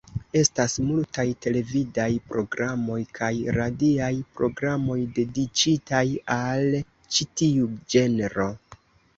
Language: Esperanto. Estas multaj televidaj programoj kaj radiaj programoj dediĉitaj al ĉi tiu ĝenro.